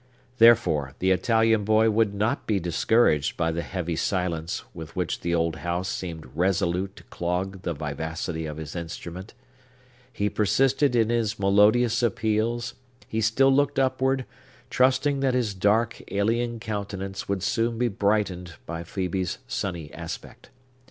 Therefore, the Italian boy would not be discouraged by the heavy silence with which the old house seemed resolute to clog the vivacity of his instrument. He persisted in his melodious appeals; he still looked upward, trusting that his dark, alien countenance would soon be brightened by Phœbe's sunny aspect.